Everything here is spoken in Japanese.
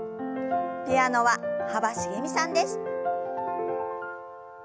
ピアノは幅しげみさんです。